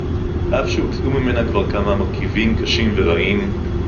אף שהוצאו ממנה כבר כמה מרכיבים קשים ורעים